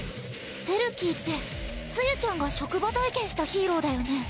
セルキーって梅雨ちゃんが職場体験したヒーローだよね？